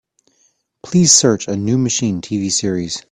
Please search A New Machine TV series.